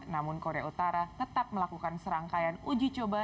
namun korea utara tetap melakukan serangkaian uji coba